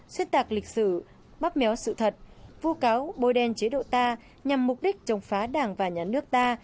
xuyên tạc lịch sử bóp méo sự thật vô cáo bôi đen chế độ ta nhằm mục đích chống phá đảng và nhà nước ta